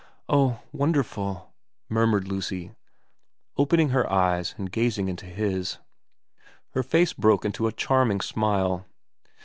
' Oh wonderful !' murmured Lucy, opening her eyes and gazing into his. Her face broke into a charming smile.